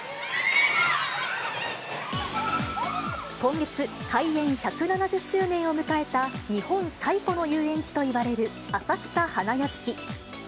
今月、開園１７０周年を迎えた、日本最古の遊園地といわれる浅草花やしき。